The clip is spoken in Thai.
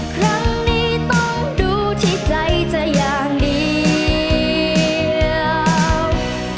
ครั้งนี้ต้องดูที่ใจจะอย่างเดียว